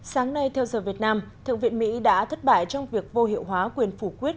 sáng nay theo giờ việt nam thượng viện mỹ đã thất bại trong việc vô hiệu hóa quyền phủ quyết